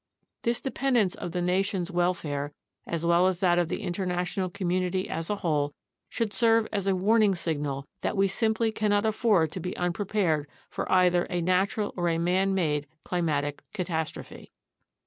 This dependence of the nation's welfare, as well as that of the international community as a whole, should serve as a warning signal that we simply cannot afford to be unprepared for either a natural or man made climatic catastrophe.